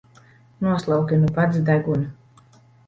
Noslauki nu pats degunu!